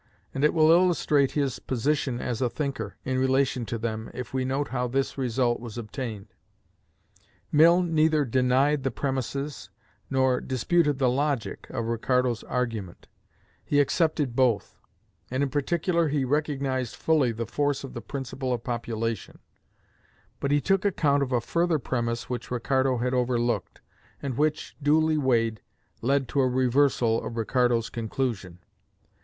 And it will illustrate his position as a thinker, in relation to them, if we note how this result was obtained. Mill neither denied the premises nor disputed the logic of Ricardo's argument: he accepted both; and in particular he recognized fully the force of the principle of population; but he took account of a further premise which Ricardo had overlooked, and which, duly weighed, led to a reversal of Ricardo's conclusion.